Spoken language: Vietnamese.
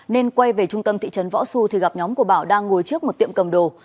nên quay về trung tâm thị trấn võ xu thì gặp nhóm của bảo đang ngồi trước một tiệm cầm đồ